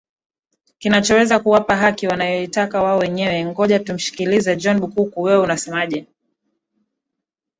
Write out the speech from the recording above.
o kinachoweza kuwapa haki wanayoitaka wao wenyewe ngoja tumshikilize john bukuku wewe unasemaje